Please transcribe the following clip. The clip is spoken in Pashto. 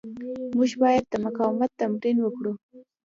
موږ باید د مقاومت تمرین وکړو.